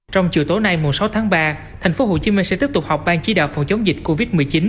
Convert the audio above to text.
trong chiều tối nay sáu tháng ba tp hcm sẽ tiếp tục học ban chỉ đạo phòng chống dịch covid một mươi chín